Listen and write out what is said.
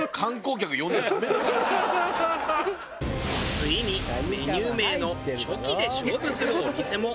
ついにメニュー名の「ちょき」で勝負するお店も。